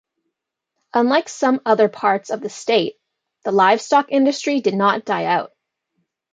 Unlike some other parts of the state, the livestock industry did not die out.